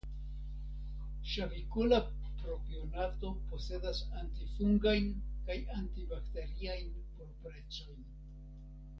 Ŝavikola propionato posedas antifungajn kaj antibakteriajn proprecojn.